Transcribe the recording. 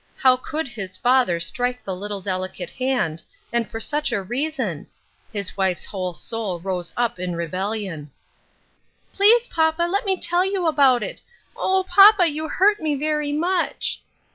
How could his father strike the little delicate hand, and for such a reason ! The wife's whole soul rose up in rebellion. " Please, papa, let me tell you about it. Oh ! papa, you hurt me very much."